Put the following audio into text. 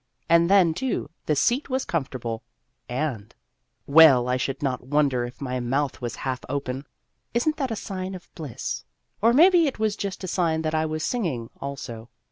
And then, too, the seat was comfortable, and well, I should not wonder if my mouth was half open (is n't that a sign of bliss ? or maybe it was just a sign that I was singing also).